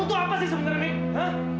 itu apa sih sebenarnya nih